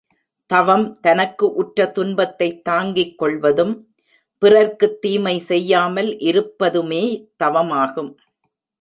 தவம் தனக்கு உற்ற துன்பத்தைத் தாங்கிக்கொள்வதும், பிறர்க்குத் தீமை செய்யாமல் இருப்பதுமே தவமாகும்.